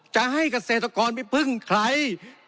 จะให้เกษตรกรไปพึ่งใคร